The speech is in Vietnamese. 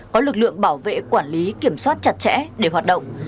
có lực lượng bảo vệ quản lý kiểm soát chặt chẽ để hoạt động